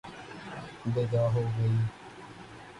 بدعا ہو گئی